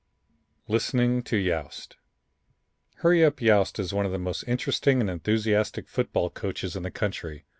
'" Listening to Yost "Hurry Up" Yost is one of the most interesting and enthusiastic football coaches in the country.